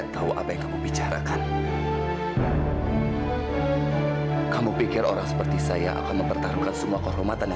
sampai jumpa di video selanjutnya